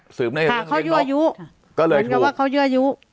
เหมือนจะว่าเขาย่วยู้